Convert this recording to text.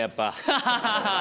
ハハハハ！